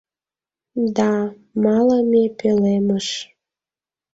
Да — малыме пӧлемыш...